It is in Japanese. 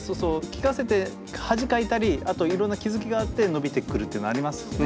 聴かせて恥かいたりあといろんな気付きがあって伸びてくるっていうのありますね。